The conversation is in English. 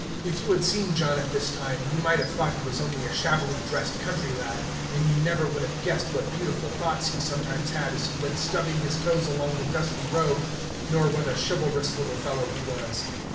If you had seen John at this time, you might have thought he was only a shabbily dressed country lad, and you never would have guessed what beautiful thoughts he sometimes had as he went stubbing his toes along the dusty road, nor what a chivalrous little fellow he was.